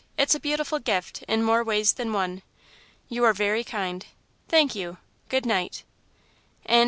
"It's a beautiful gift in more ways than one. You are very kind thank you good night!" VII.